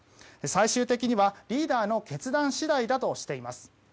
最終的にはリーダーの決断次第だとしています。